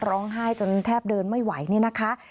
ร้องไห้จนแทบเดินไม่ไหวเนี่ยนะคะ